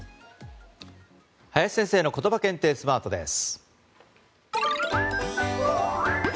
林先生のことば検定スマートです。